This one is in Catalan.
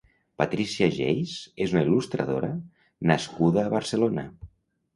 Patricia Geis és una il·lustradora nascuda a Barcelona.